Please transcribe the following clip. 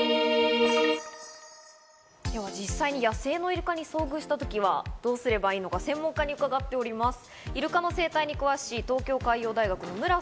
では、実際に野生のイルカに遭遇した時はどうすればいいのか専門家に伺っております。